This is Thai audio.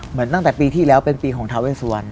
เหมือนตั้งแต่ปีที่แล้วเป็นปีของทาเวสวรรณ